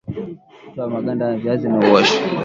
Toa maganda ya viazi na uoshe